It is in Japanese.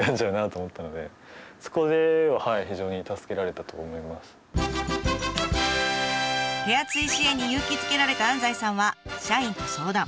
ちょっとさすがに手厚い支援に勇気づけられた安西さんは社員と相談。